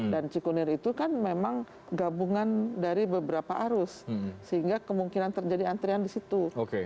dan cikunir itu kan memang gabungan dari beberapa arus sehingga kemungkinan terjadi antrian di situ